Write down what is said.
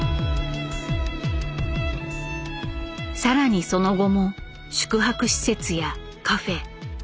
更にその後も宿泊施設やカフェ。